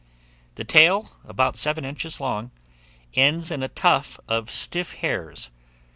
The tail, about seven inches long, ends in a tuft of stiff hairs.